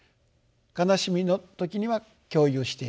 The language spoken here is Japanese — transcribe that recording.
悲しみの時には共有していく。